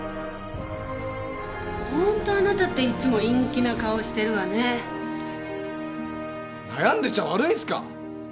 ホントあなたっていつも陰気な顔してるわね悩んでちゃ悪いんですか！？